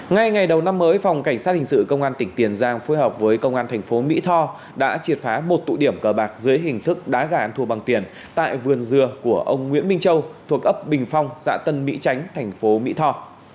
ngay ngày đầu năm mới phòng cảnh sát hình sự công an tỉnh tiền giang phối hợp với công an thành phố mỹ tho đã triệt phá một tụ điểm cờ bạc dưới hình thức đá gà ăn thua bằng tiền tại vườn dừa của ông nguyễn minh châu thuộc ấp bình phong xã tân mỹ chánh thành phố mỹ tho